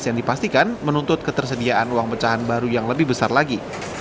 yang dipastikan menuntut ketersediaan uang pecahan baru yang lebih besar lagi